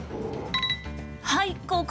はいここ！